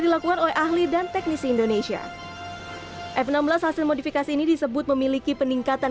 dilakukan oleh ahli dan teknisi indonesia f enam belas hasil modifikasi ini disebut memiliki peningkatan